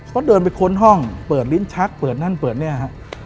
เขาเดินไปค้นห้องเปิดลิ้นชักเปิดนั่นเปิดเนี่ยฮะ